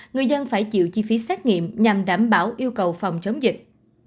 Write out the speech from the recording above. người dân phải chịu chi phí xét nghiệm nhằm đảm bảo yêu cầu phòng chống dịch